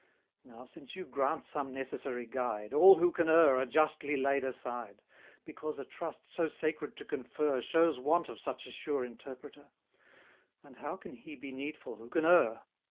Now since you grant some necessary guide, All who can err are justly laid aside: Because a trust so sacred to confer 476 Shows want of such a sure interpreter; And how can he be needful who can err?